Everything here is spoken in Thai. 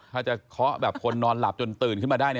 ถ้าจะเคาะแบบคนนอนหลับจนตื่นขึ้นมาได้